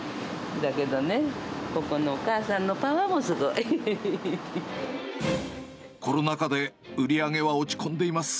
だけどね、ここのお母さんのパワコロナ禍で売り上げは落ち込んでいます。